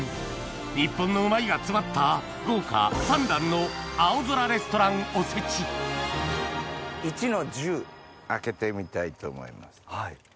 日本の「うまい！」が詰まった豪華三段の「青空レストランおせち」開けてみたいと思います。